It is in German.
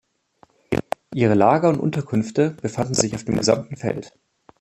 Ihre Lager und Unterkünfte befanden sich auf dem gesamten Feld.